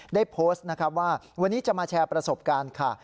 ได้โพสต์นะครับว่าวันนี้จะมาแชร์ประสบการณ์ค่ะ